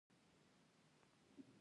د دوی د مینې کیسه د پسرلی په څېر تلله.